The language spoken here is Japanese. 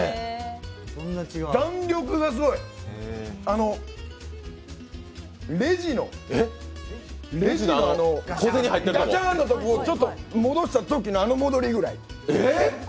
弾力がすごい！レジのあのガチャンとこ、ちょっと戻したときのあの戻りぐらい。